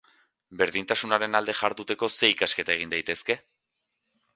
Berdintasunaren alde jarduteko ze ikasketa egin daitezke?